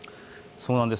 そうなんです。